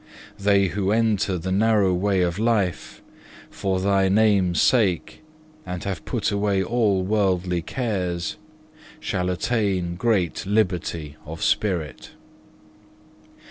They who enter the narrow way of life for Thy Name's sake, and have put away all worldly cares, shall attain great liberty of spirit.